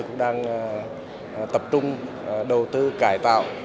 cũng đang tập trung đầu tư cải tạo